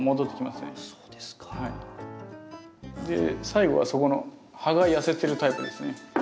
最後はそこの葉が痩せてるタイプですね。